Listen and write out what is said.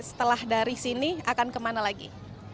setelah dari sini akan kemana lagi